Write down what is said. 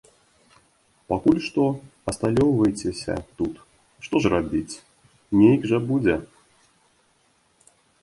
Пакуль што асталёўвайцеся тут, што ж рабіць, нейк жа будзе.